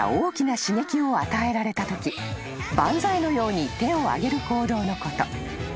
［万歳のように手を上げる行動のこと］